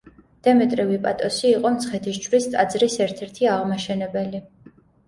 დემეტრე ვიპატოსი იყო მცხეთის ჯვრის ტაძრის ერთ-ერთი აღმაშენებელი.